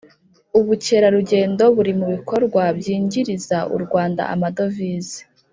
Ubukerarugendo buri mubikorwa byingiriza urwanda amadovize